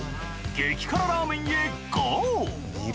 激辛ラーメンへゴー！